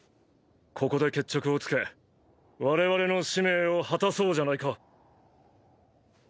ここで決着をつけ我々の使命を果たそうじゃないか。